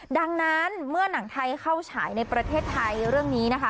ดังนั้นเมื่อหนังไทยเข้าฉายในประเทศไทยเรื่องนี้นะคะ